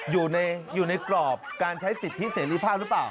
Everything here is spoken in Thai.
อยู่ในกรอบการใช้สิทธิเสรีภาพหรือเปล่า